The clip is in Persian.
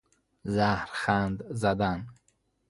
زهرخند زدن